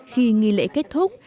khi nghi lễ kết thúc